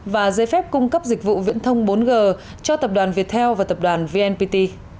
và giấy phép cung cấp dịch vụ viễn thông bốn g cho tập đoàn viettel và tập đoàn vnpt